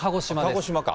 鹿児島か？